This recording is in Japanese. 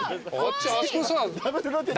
あそこさ。